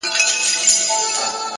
هره ستونزه د حل لاره لري!.